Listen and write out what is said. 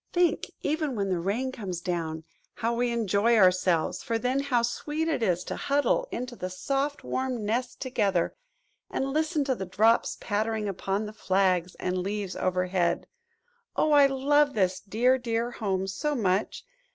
Think, even when the rain comes down, how we enjoy ourselves, for then how sweet it is to huddle into the soft warm nest together, and listen to the drops pattering upon the flags and leaves overhead! Oh, I love this dear, dear home so much!